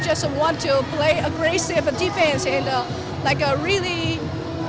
jadi kita hanya ingin memainkan defensa agresif